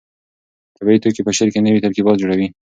طبیعي توکي په شعر کې نوي ترکیبات جوړوي.